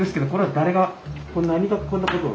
何がこんなことを？